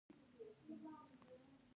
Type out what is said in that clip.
هغه ډېره لویه، روښانه او د سیند پر مخ وه.